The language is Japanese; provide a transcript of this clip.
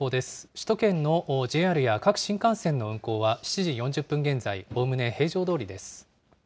首都圏のＪＲや各新幹線の運行は、７時４０分現在、おおむね平常どおりです。